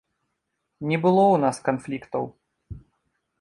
Не было ў нас канфліктаў.